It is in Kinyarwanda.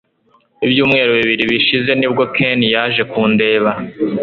Ibyumweru bibiri bishize nibwo Ken yaje kundeba